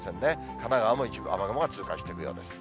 神奈川も一部雨雲が通過していくようです。